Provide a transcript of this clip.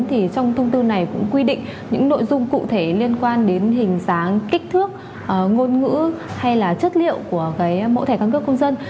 thì trong thông tư này cũng quy định những nội dung cụ thể liên quan đến hình dáng kích thước ngôn ngữ hay là chất liệu của cái mẫu thẻ căn cước công dân